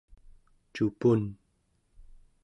cupun